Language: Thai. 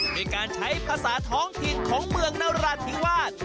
ด้วยการใช้ภาษาท้องถิ่นของเมืองนราธิวาส